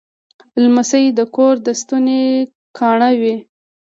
لمسی د کور د ستوني ګاڼه وي.